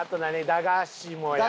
駄菓子もやった。